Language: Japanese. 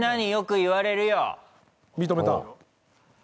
認めた。